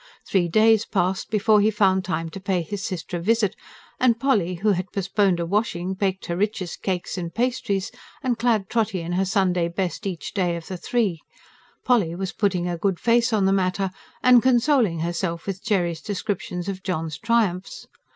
Three days passed before he found time to pay his sister a visit; and Polly, who had postponed a washing, baked her richest cakes and pastries, and clad Trotty in her Sunday best each day of the three: Polly was putting a good face on the matter, and consoling herself with Jerry's descriptions of John's triumphs.